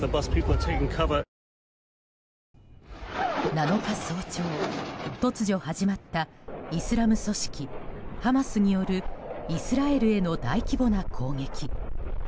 ７日早朝、突如始まったイスラム組織ハマスによるイスラエルへの大規模な攻撃。